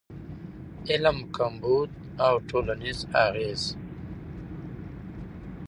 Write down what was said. علم کمبود او ټولنیز اغېز